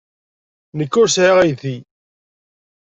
Nekk ur sɛiɣ aydi.